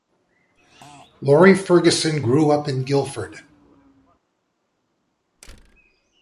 Laurie Ferguson grew up in Guildford.